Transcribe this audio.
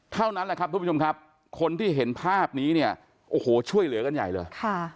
เท่านั้นแหละครับทุกผู้ชมครับคนที่เห็นภาพนี้เนี่ยโอ้โหช่วยเหลือกันใหญ่เลย